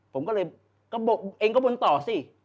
ผมก็เลยเองก็บนต่อสิ